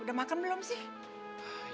udah makan belum sih